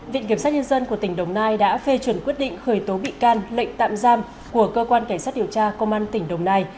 viện kiểm sát nhân dân của tỉnh đồng nai đã phê chuẩn quyết định khởi tố bị can lệnh tạm giam của cơ quan cảnh sát điều tra công an tỉnh đồng nai